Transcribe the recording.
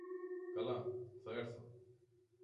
Καλά, θα έρθω.